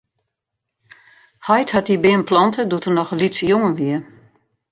Heit hat dy beam plante doe't er noch in lytse jonge wie.